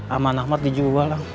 amanahmat dijual ang